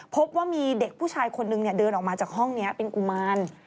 พบว่ามีเด็กผู้ชายคนนึงเดินออกมาจากห้องนี้เป็นกุมาร